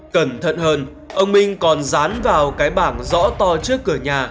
cẩn thận hơn ông mình còn dán vào cái bảng rõ to trước cửa nhà